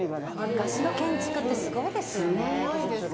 昔の建築って、すごいですよ